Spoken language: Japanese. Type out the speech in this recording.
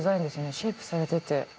シェイプされてて。